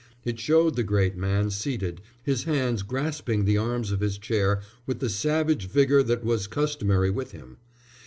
It showed the great man seated, his hands grasping the arms of his chair with the savage vigour that was customary with him.